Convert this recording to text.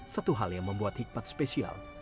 satu hal yang membuat hikmat spesial